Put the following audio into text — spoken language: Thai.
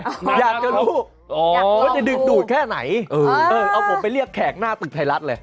อยากจะรู้ว่าจะดึงดูดแค่ไหนเออเออเอาผมไปเรียกแขกหน้าตึกไทยรัฐเลย